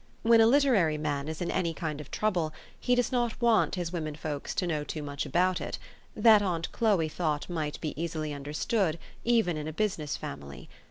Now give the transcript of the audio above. When a literary man is in any kind of trouble, he does not want his women folks to know too much about it : that, aunt Cliloe thought might be easily understood, even in a business family.